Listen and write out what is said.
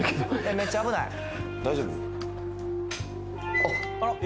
めっちゃ危ない大丈夫？